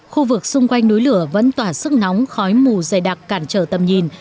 khu vực xung quanh núi lửa vẫn tỏa sức nóng khói mù dày đặc cản trở tầm nhìn